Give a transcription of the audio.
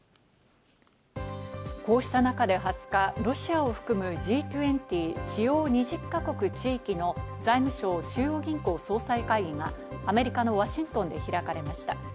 こうした中で２０日、ロシアを含むＧ２０＝主要２０か国・地域の財務相・中央銀行総裁会議が、アメリカのワシントンで開かれました。